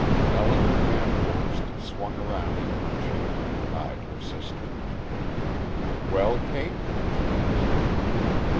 Elinor VanVorst swung around in her chair, and eyed her sister. "Well, Kate?" she asked.